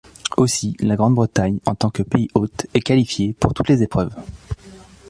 Aussi, la Grande-Bretagne en tant que pays hôte est qualifiée pour toutes les épreuves.